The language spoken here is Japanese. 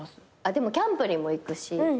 キャンプにも行くし。